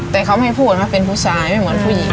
แต่เขาไม่พูดว่าเป็นผู้ชายไม่เหมือนผู้หญิง